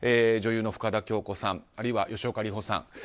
女優の深田恭子さんあるいは吉岡里帆さん。